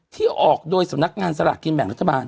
ที่ออกโดยสำนักงานสลากกินแบ่งรัฐบาล